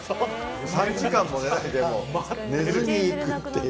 ３時間も寝ないでもう寝ずに行くっていう。